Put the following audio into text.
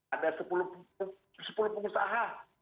ada sepuluh pengusaha